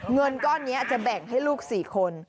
เงินก้อนนี้จะแบ่งให้ลูก๔คน